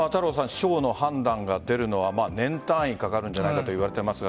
司法の判断が出るのは年単位かかるんじゃないかといわれています。